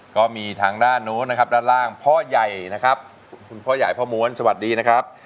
ก็มีทางด้านโน้นนะครับด้านล่างพ่อใหญ่นะครับคุณพ่อใหญ่พ่อม้วนสวัสดีนะครับ